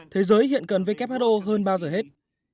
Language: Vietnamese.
thế giới hiện cần who hơn bao giờ hết